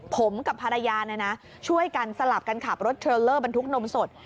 ผมกับภรรยาช่วยกันสลับกันขับรถเทรลเลอร์บรรทุกนมสด